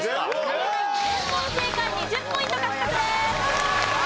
有田ナイン全問正解２０ポイント獲得です！